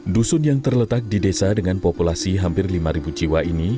dusun yang terletak di desa dengan populasi hampir lima jiwa ini